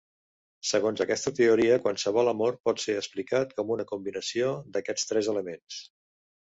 Segons aquesta teoria, qualsevol amor pot ser explicat com una combinació d'aquests tres elements.